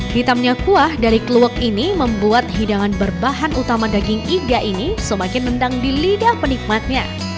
hitamnya kuah dari kluwak ini membuat hidangan berbahan utama daging iga ini semakin nendang di lidah penikmatnya